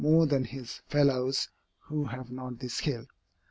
more than his fellows who have not this skill.